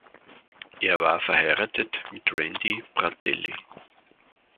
Er war verheiratet mit Randi Bratteli.